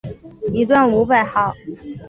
一段五百号